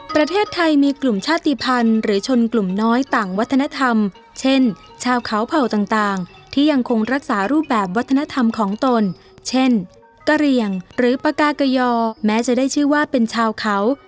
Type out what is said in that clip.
ประเทศไทยมีกลุ่มชาติภัณฑ์หรือชนกลุ่มน้อยต่างวัฒนธรรมเช่นชาวเขาเผ่าต่างที่ยังคงรักษารูปแบบวัฒนธรรมของตนเช่นกะเหลี่ยงหรือปากากยอแม้จะได้ชื่อว่าเป็นชาวเขา